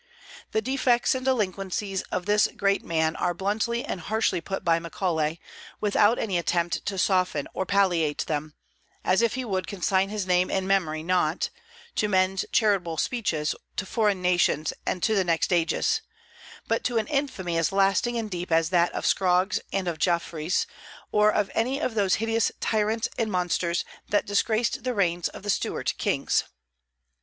The defects and delinquencies of this great man are bluntly and harshly put by Macaulay, without any attempt to soften or palliate them; as if he would consign his name and memory, not "to men's charitable speeches, to foreign nations, and to the next ages," but to an infamy as lasting and deep as that of Scroggs and of Jeffreys, or any of those hideous tyrants and monsters that disgraced the reigns of the Stuart kings.